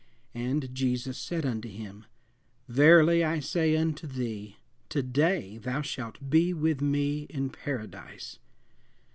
And Jesus said unto him, Verily, I say unto thee, to day thou shalt be with me in Paradise."